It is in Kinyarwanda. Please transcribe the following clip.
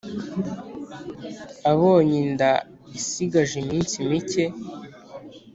abonye inda isigaje iminsi mike